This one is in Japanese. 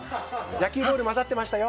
野球ボール混ざってましたよ！